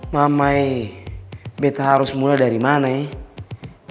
mamai bete harus mulai dari mana ya